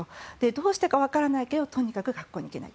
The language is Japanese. どうしてかわからないけどとにかく学校に行けない。